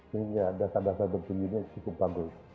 sehingga dasar dasar bertinju ini cukup bagus